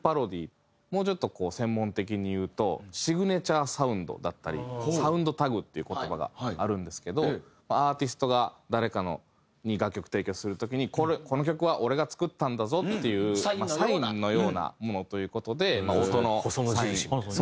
もうちょっとこう専門的に言うとシグネチャーサウンドだったりサウンドタグっていう言葉があるんですけどアーティストが誰かに楽曲提供する時に「この曲は俺が作ったんだぞ！」っていうサインのようなものという事でまあ音のサインそうですね。